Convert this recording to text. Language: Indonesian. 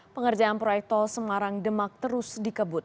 pengerjaan proyek tol semarang demak terus dikebut